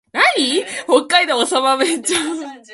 北海道長万部町